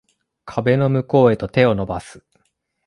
壁の向こうへと手を伸ばす